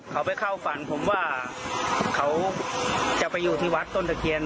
เขาไปเข้าฝันผมว่าเขาจะไปอยู่ที่วัดต้นตะเคียน